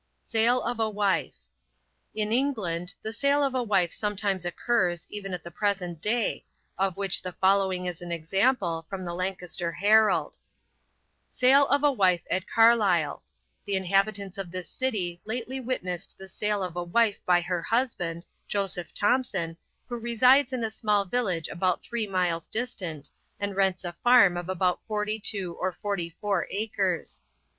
SALE OF A WIFE. In England, the sale of a wife sometimes occurs, even at the present day, of which the following is an example, from the Lancaster Herald. "Sale of a wife at Carlisle The inhabitants of this city lately witnessed the sale of a wife by her husband, Joseph Thompson, who resides in a small village about three miles distant, and rents a farm of about forty two or forty four acres.